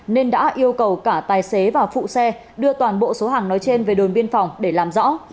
nên đã yêu cầu cả tài xế và phụ xe đưa toàn bộ số hàng nói trên về đồn biên phòng để làm rõ